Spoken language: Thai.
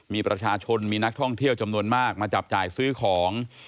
มีประชาชนมีนักท่องเที่ยวจำนวนมากมาจับจ่ายซื้อของ